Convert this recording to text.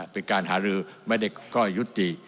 เป็นการหารือไม่ได้ก้อยยุติ